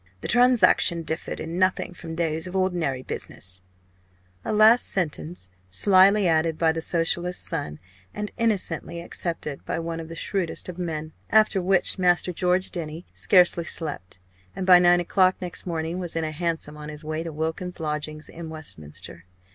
The transaction differed in nothing from those of ordinary business" a last sentence slily added by the Socialist son, and innocently accepted by one of the shrewdest of men. After which Master George Denny scarcely slept, and by nine o'clock next morning was in a hansom on his way to Wilkins's lodgings in Westminster.